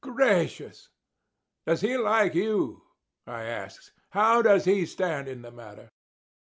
Gracious!" "Does he like you?" I asks. "How does he stand in the matter?"